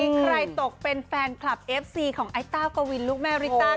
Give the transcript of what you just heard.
ใครตกเป็นแฟนคลับเอฟซีของไอ้เต้ากวินลูกแม่ริต้า